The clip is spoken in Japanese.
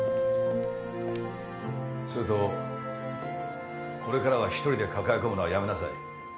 それとこれからは一人で抱え込むのはやめなさい。